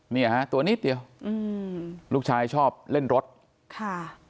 เนี่ยฮะตัวนิดเดียวอืมลูกชายชอบเล่นรถค่ะ